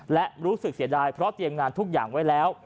และรู้สึกเสียดายเพราะเตรียมงานทุกอย่างไว้แล้ว